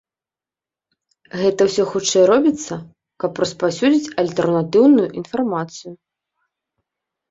Гэта ўсё хутчэй робіцца, каб распаўсюдзіць альтэрнатыўную інфармацыю.